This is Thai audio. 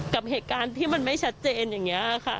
กับเหตุการณ์ที่มันไม่ชัดเจนอย่างนี้ค่ะ